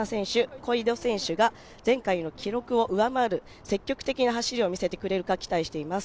小井戸選手が前回の記録を上回る積極的な走りを見せてくれるか期待しています。